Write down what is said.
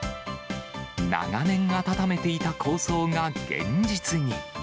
長年温めていた構想が現実に。